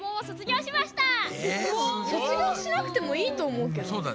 卒業しなくてもいいとおもうけど。